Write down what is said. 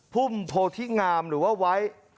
พุ่มโพธิงามหรือว่าไว้